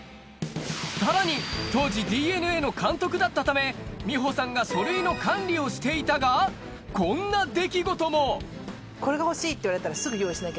さらに当時ＤｅＮＡの監督だったため美保さんが書類の管理をしていたがこんな出来事もこれが欲しいって言われたら。